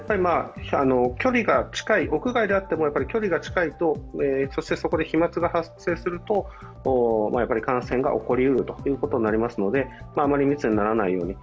屋外であっても、距離が近いと直接そこで飛まつが発生すると感染が起こりうることになりますのであまり密にならないように。